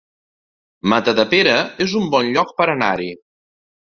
Matadepera es un bon lloc per anar-hi